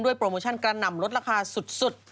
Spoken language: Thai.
ด้วยโปรโมชั่นการนำรถราคาสุด